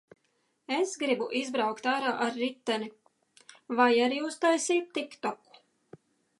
Es gribu izbraukt ārā ar riteni. Vai arī uztaisīt tiktoku.